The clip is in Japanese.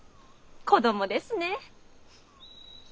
子供ですねッ！